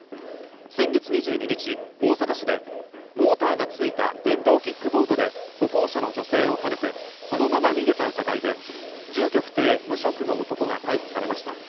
先月２２日、大阪市でモーターがついた電動キックボードで歩行者の女性をはねてそのまま逃げた疑いで住所不定無職の男が逮捕されました。